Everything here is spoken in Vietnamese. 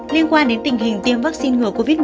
liên quan đến tình hình tiêm vaccine ngừa covid một mươi